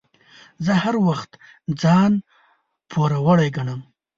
زه هر وخت ځان پوروړی ګڼم.